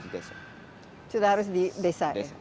di desa sudah harus di desa ya